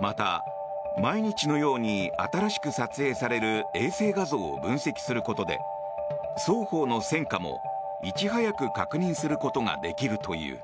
また、毎日のように新しく撮影される衛星画像を分析することで双方の戦果もいち早く確認することができるという。